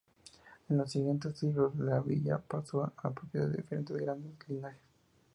En los siguientes siglos, la villa pasó a propiedad de diferentes grandes linajes.